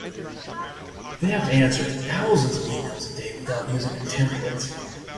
They have to answer thousands of emails a day without using a template.